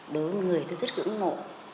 đối với người tôi rất ủng hộ